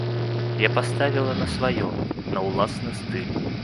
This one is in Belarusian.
Я паставіла на сваё, на ўласны стыль.